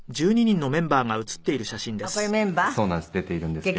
出ているんですけれども。